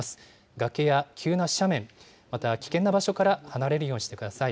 崖や急な斜面、また危険な場所から離れるようにしてください。